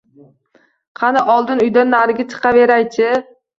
Qani, oldin uydan nari chiqaveray-chi